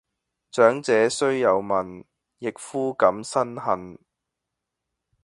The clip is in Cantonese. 長者雖有問，役夫敢申恨？